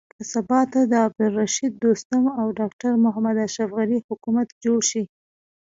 که سبا ته د عبدالرشيد دوستم او ډاکټر محمد اشرف حکومت جوړ شي.